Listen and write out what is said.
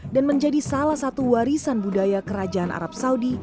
dan menjadi salah satu warisan budaya kerajaan arab saudi